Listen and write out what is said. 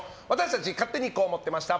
勝手にこう思ってました！